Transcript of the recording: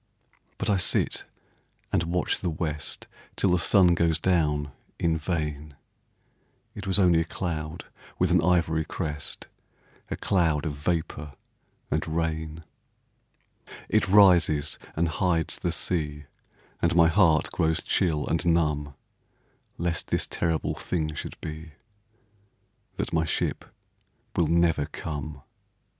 But I sit and watch the west Till the sun goes down, in vain; It was only a cloud with an ivory crest, A cloud of vapor and rain; It rises and hides the sea, And my heart grows chill and numb, Lest this terrible thing should be, That my ship will never come.